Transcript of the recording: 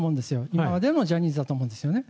今までのジャニーズだと思うんですよね。